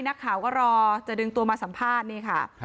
นักข่าวก็รอจะดึงตัวมาสัมภาษณ์นี่ค่ะ